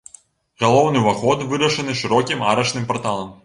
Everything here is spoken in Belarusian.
Галоўны ўваход вырашаны шырокім арачным парталам.